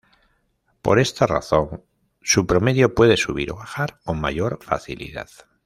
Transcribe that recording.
Por esta razón, su promedio puede subir o bajar con mayor facilidad.